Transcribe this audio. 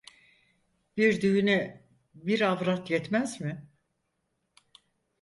Bir düğüne bir avrat yetmez mi?